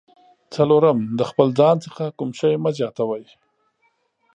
څلورم: د خپل ځان څخه کوم شی مه زیاتوئ.